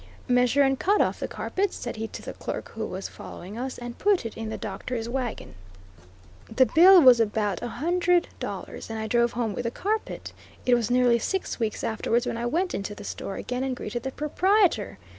"Measure and cut off the carpet," said he to the clerk who was following us, "and put it in the Doctor's wagon" The bill was about a hundred dollars, and I drove home with the carpet. It was nearly six weeks afterwards when I went into the store again, and greeted the proprietor.